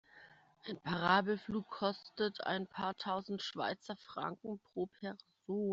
Ein Parabelflug kostet ein paar tausend Schweizer Franken pro Person.